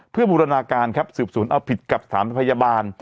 เพื่อบุรนาการครับสืบศูนย์เอาผิดกับสถาปัยบาล